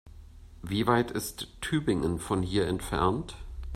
Wie weit ist Tübingen von hier entfernt?